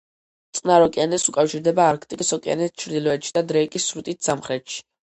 წყნარ ოკეანეს უკავშირდება არქტიკის ოკეანით ჩრდილოეთში და დრეიკის სრუტით სამხრეთში.